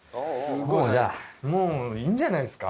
もういいんじゃないですか？